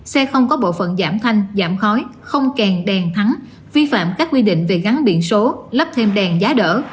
xe không có bộ phận giảm thanh giảm khói không kèm đèn thắng vi phạm các quy định về gắn biển số lắp thêm đèn giá đỡ